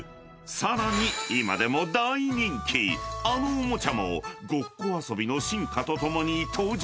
［さらに今でも大人気あのおもちゃもごっこ遊びの進化とともに登場］